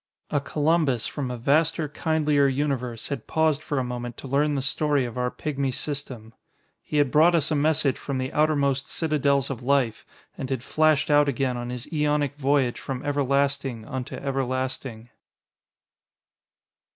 A Columbus from a vaster, kindlier universe had paused for a moment to learn the story of our pigmy system. He had brought us a message from the outermost citadels of life and had flashed out again on his aeonic voyage from everlasting unto everlasting.